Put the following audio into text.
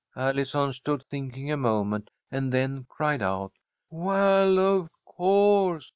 Allison stood thinking a moment, and then cried out: "Well, of course!